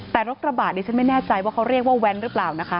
แต่รถกระบะดิฉันไม่แน่ใจว่าเขาเรียกว่าแว้นหรือเปล่านะคะ